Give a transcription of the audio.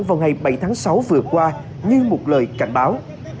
vào ngày bảy tháng sáu vừa qua như một lời cảnh báo